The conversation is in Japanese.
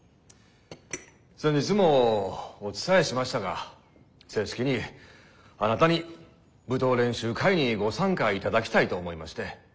先日もお伝えしましたが正式にあなたに舞踏練習会にご参加いただきたいと思いまして。